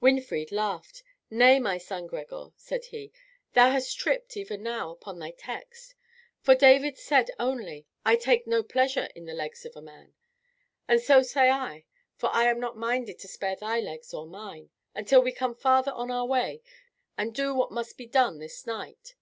Winfried laughed. "Nay, my son Gregor," said he, "thou hast tripped, even now, upon thy text. For David said only, 'I take no pleasure in the legs of a man.' And so say I, for I am not minded to spare thy legs or mine, until we come farther on our way, and do what must be done this night.